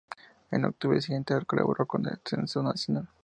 En octubre siguiente colaboró con el censo nacional.